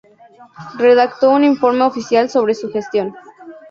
Redactó un informe oficial sobre su gestión.